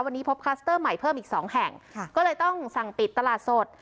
วันนี้พบคลัสเตอร์ใหม่เพิ่มอีกสองแห่งค่ะก็เลยต้องสั่งปิดตลาดสด